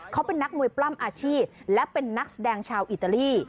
เขาเป็นนักมวยปล้ำอาชีพและเป็นนักแสดงชาวอิตาลี